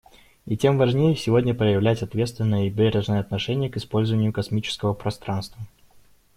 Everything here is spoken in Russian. И тем важнее сегодня проявлять ответственное и бережное отношение к использованию космического пространства.